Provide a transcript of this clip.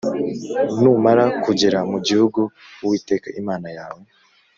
Numara kugera mu gihugu Uwiteka Imana yawe